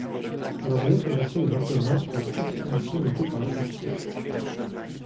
Dans une autre version de l'orthographe, la préaspiration est notée par l'apostrophe '.